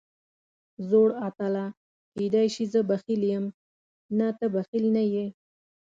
زوړ اتله، کېدای شي زه بخیل یم، نه ته بخیل نه یې.